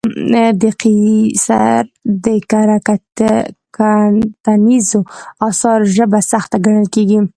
د قیصر د کره کتنیزو اثارو ژبه سخته ګڼل کېږي.